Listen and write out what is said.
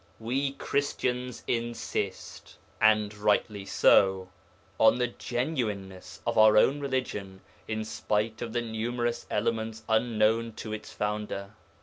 We Christians insist and rightly so on the 'genuineness' of our own religion in spite of the numerous elements unknown to its 'Founder.'